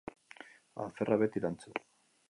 Alferra beti lantsu.